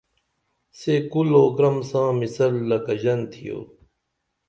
سے کُل او گرَم ساں مِثل لکہ ژَن تِھیو